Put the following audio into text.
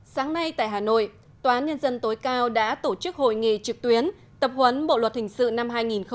sáng nay tại hà nội tòa án nhân dân tối cao đã tổ chức hội nghị trực tuyến tập huấn bộ luật hình sự năm hai nghìn một mươi năm